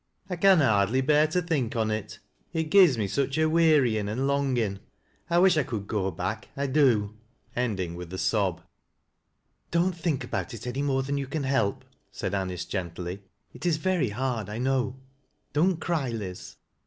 I — I can na hardly bear to think on it — it gi'cs me such a wearyin' an' longin' ; I wish I could go back, I do "— ending with a sob. " Don't think about it any more than you can help," said Anice gently. " It is very hard I know ; don't cry, Liz."